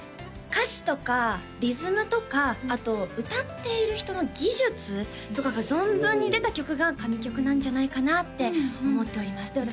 歌詞とかリズムとかあと歌っている人の技術とかが存分に出た曲が神曲なんじゃないかなって思っております